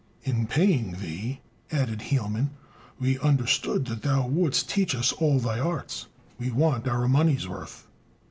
"In paying thee," added Hielman, "we understood that thou wouldst teach us all thy arts. We want our money's worth."